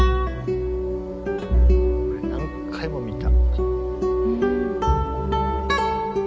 これ何回も見た。